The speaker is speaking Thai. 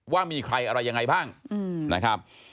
ว่ามีใครอะไรยังไงบ้างนะครับ